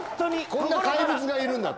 こんな怪物がいるんだと。